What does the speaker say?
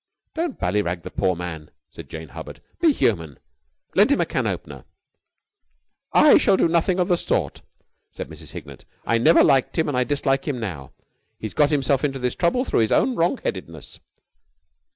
"Don't ballyrag the poor man," said Jane Hubbard. "Be human! Lend him a can opener!" "I shall do nothing of the sort," said Mrs. Hignett. "I never liked him and I dislike him now. He has got himself into this trouble through his own wrong headedness."